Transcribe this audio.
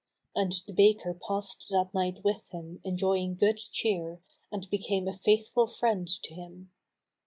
And the baker passed that night with him enjoying good cheer and became a faithful friend to him.